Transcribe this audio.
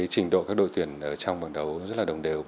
trình độ các đội tuyển ở trong bảng đấu rất đồng đều